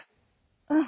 うん。